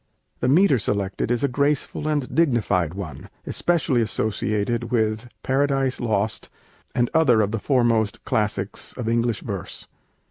The metre selected is a graceful and dignified one, especially associated with 'Paradise Lost' and other of the foremost classics of English verse.